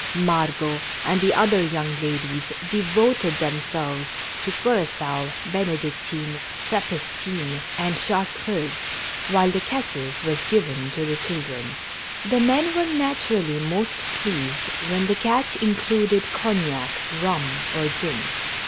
Margot and the other young ladies de voted themselves to cura9oa, ben^dictine, trappistine, and chartreuse, while the cassis was given to the chil dren. The men were naturally most pleased when the catch included cognac, rum or gin.